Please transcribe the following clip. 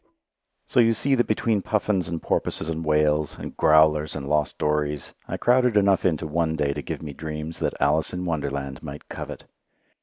So you see that between puffins and porpoises and whales, and "growlers" and lost dories, I crowded enough into one day to give me dreams that Alice in Wonderland might covet.